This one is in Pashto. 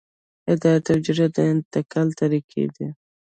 هدایت او جریان د انتقال طریقې دي.